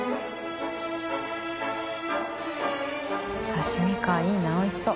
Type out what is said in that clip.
刺し身かいいなおいしそう。